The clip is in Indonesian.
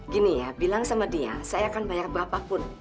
gini ya bilang sama dia saya akan bayar berapapun